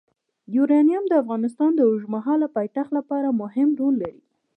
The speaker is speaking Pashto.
یورانیم د افغانستان د اوږدمهاله پایښت لپاره مهم رول لري.